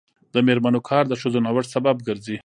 د میرمنو کار د ښځو نوښت سبب ګرځي.